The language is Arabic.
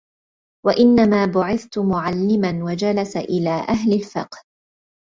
وَإِنَّمَا بُعِثْتُ مُعَلِّمًا وَجَلَسَ إلَى أَهْلِ الْفِقْهِ